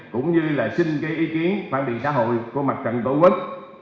cũng như xin gây ý kiến phản biệt xã hội của mặt trận tổ quốc